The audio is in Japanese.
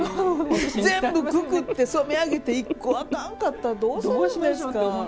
全部、くくって染め上げて１個あかんかったらどうするんですか。